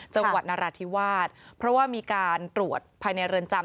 จังหวัดนราธิวาสเพราะว่ามีการตรวจภายในเรือนจำ